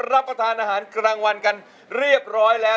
รับประทานอาหารกลางวันกันเรียบร้อยแล้ว